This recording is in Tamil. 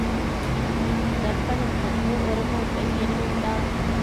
தர்ப்பணத்துக்கு ஒரு மூட்டை எள்ளுண்டா?